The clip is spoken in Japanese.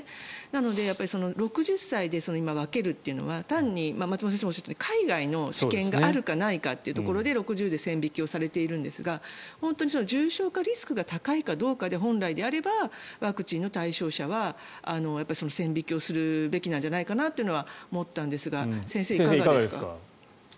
なので６０歳で今、分けるというのは単に松本先生もおっしゃったように海外の知見があるか、ないかというところで６０歳で線引きされているんですが本当に重症化リスクが高いかどうかで本来であればワクチンの対象者は線引きをすべきなんじゃないかなというのは思ったんですが先生、いかがですか。